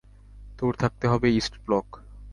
তোর থাকতে হবে ইস্ট ব্লক।